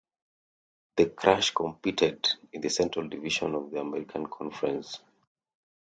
The Crush competed in the Central Division of the American Conference.